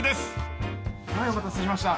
はいお待たせしました。